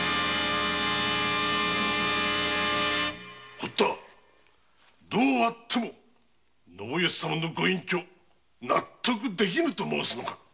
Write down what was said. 堀田どうあっても信良様のご隠居納得できぬと申すのか！